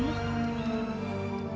kenal namaku zahira